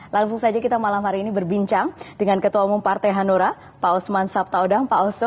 langsung saja kita malam hari ini berbincang dengan ketua umum partai hanura pak osman sabtaodang pak oso